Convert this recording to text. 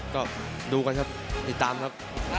ก็ดูกันครับติดตามครับ